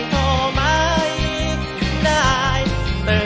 ขอบคุณครับ